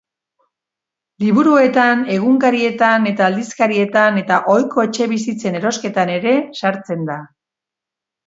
Liburuetan, egunkarietan eta aldizkarietan eta ohiko etxebizitzen erosketan ere sartzen da.